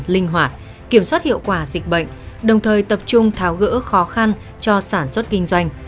linh hoạt kiểm soát hiệu quả dịch bệnh đồng thời tập trung tháo gỡ khó khăn cho sản xuất kinh doanh